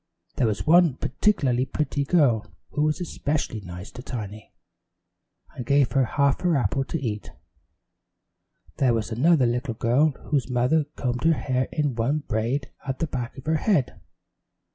There was one particularly pretty girl who was especially nice to Tiny, and gave her half her apple to eat. There was another little girl whose mother combed her hair in one braid at the back of her head.